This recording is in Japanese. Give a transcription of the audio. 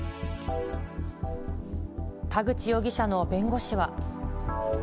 田口容疑者の弁護士は。